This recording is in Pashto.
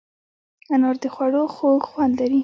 انار د خوړو خوږ خوند لري.